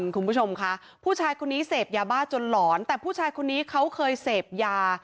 คุณผู้ชมค่ะผู้ชายคนนี้เสพยาบ้าจนหลอนแต่ผู้ชายคนนี้เขาเคยเสพยา